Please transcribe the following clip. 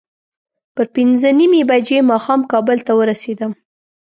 پر پینځه نیمې بجې ماښام کابل ته ورسېدم.